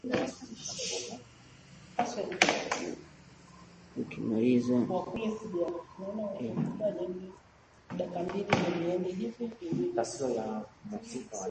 anatambua kwamba lugha ya Kiafrikaana imeweza kukubali mfululizo wa